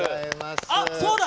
あっそうだ！